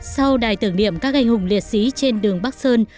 sau đài tưởng niệm các anh hùng liệt sĩ trên đường bắc sơn